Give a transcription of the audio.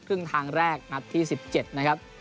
ครึ่งทางแรกนัดที่๑๗นะครับ